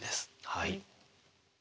はい。